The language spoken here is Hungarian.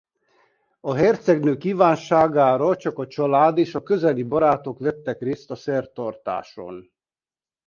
A hercegnő kívánságára csak a család és a közeli barátok vettek részt a szertartáson.